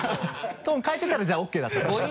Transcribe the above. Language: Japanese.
トーンを変えてたらじゃあＯＫだったんですか？